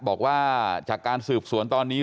บอกว่าจากการสืบสวนตอนนี้